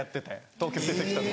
東京出てきた時。